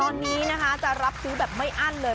ตอนนี้นะคะจะรับซื้อแบบไม่อั้นเลย